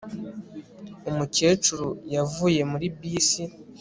Umukecuru yavuye muri bisi